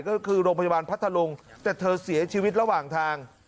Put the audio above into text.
ก็คือโรงพยาบาลพัทธลุงแต่เธอเสียชีวิตระหว่างทาง